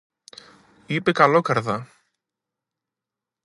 είπε καλόκαρδα